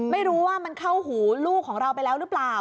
ไม่รู้ว่ามันเข้าหูลูกของเราไปแล้วหรือเปล่า